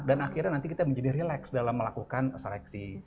dan akhirnya nanti kita menjadi relax dalam melakukan seleksi